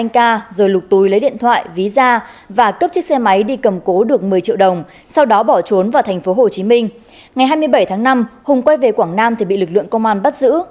ngày hai mươi bảy tháng năm hùng quay về quảng nam thì bị lực lượng công an bắt giữ